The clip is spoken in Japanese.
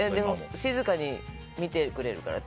静かに見てくれるから。